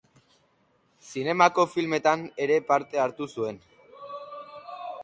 Zinemako filmetan ere parte hartu zuen.